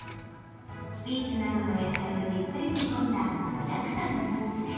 ビーツなどの野菜をじっくり煮込んだ、具だくさんのスープです。